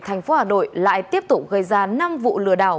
thành phố hà nội lại tiếp tục gây ra năm vụ lừa đảo